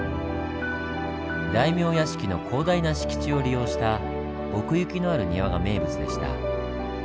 大名屋敷の広大な敷地を利用した奥行きのある庭が名物でした。